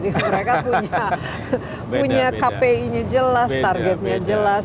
mereka punya kpi nya jelas targetnya jelas